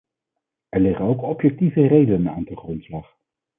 Er liggen ook objectieve redenen aan ten grondslag.